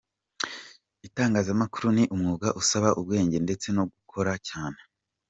Itangazamakuru ni umwuga usaba ubwenge ndetse no gukora cyane.